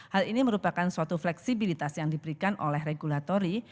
hal ini merupakan suatu fleksibilitas yang diberikan oleh regulatory